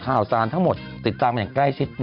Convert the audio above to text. ข่าวสารทั้งหมดติดตามกันอย่างใกล้ชิด